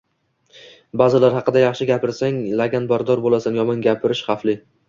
Ba`zilar haqida yaxshi gapirsang, laganbardor bo`lasan, yomon gapirish xavfli